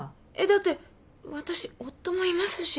だって私夫もいますし。